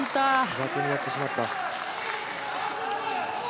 雑になってしまった。